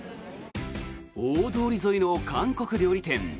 大通り沿いの韓国料理店。